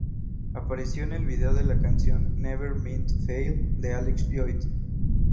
Apareció en el video de la canción "Never Meant to Fail" de Alex Lloyd.